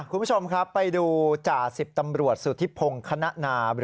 คุณผู้ชมครับไปดูจ่าสิบตำรวจสุธิพงศ์คณะนา